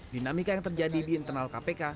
dinamika yang terjadi di internal kpk